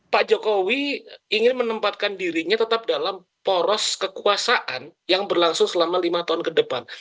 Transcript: pak jokowi ingin menempatkan dirinya tetap dalam poros kekuasaan yang berlangsung selama lima tahun ke depan